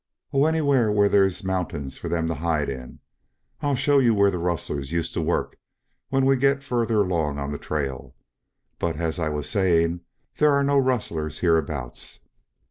"Oh, anywhere where there's mountains for them to hide in. I'll show you where the rustlers used to work, when we get further along on the trail. But, as I was saying, there are no rustlers hereabouts."